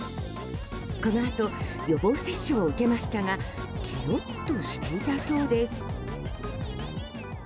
このあと予防接種を受けましたがケロッとしていたそうです。